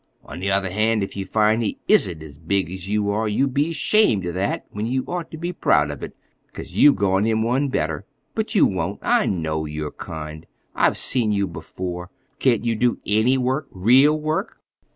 On the other hand, if you find he isn't as big as you are, you'll be ashamed of that, when you ought to be proud of it—'cause you've gone him one better. But you won't. I know your kind. I've seen you before. But can't you do any work, real work?"